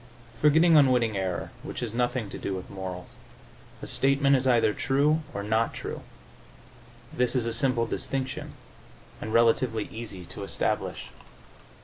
Forgetting unwitting error, which has nothing to do with morals, a statement is either true or not true. This is a simple distinction and relatively easy to establish.